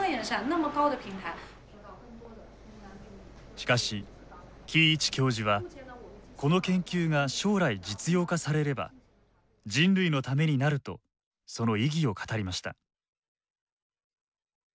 しかし季維智教授はこの研究が将来実用化されれば人類のためになるとその意義を語りました。